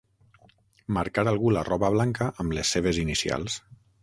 Marcar algú la roba blanca amb les seves inicials.